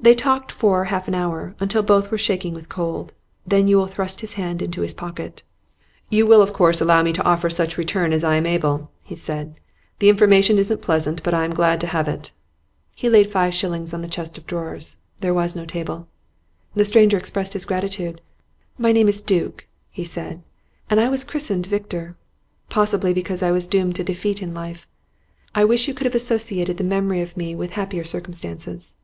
They talked for half an hour, until both were shaking with cold. Then Yule thrust his hand into his pocket. 'You will of course allow me to offer such return as I am able,' he said. 'The information isn't pleasant, but I am glad to have it.' He laid five shillings on the chest of drawers there was no table. The stranger expressed his gratitude. 'My name is Duke,' he said, 'and I was christened Victor possibly because I was doomed to defeat in life. I wish you could have associated the memory of me with happier circumstances.